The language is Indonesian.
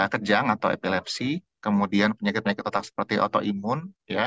kejang atau epilepsi kemudian penyakit penyakit otak seperti autoimun